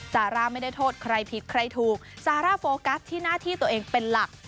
ซาร่าไม่ได้โทษใครผิดใครถูกซาร่าโฟกัสที่หน้าที่ตัวเองเป็นหลัก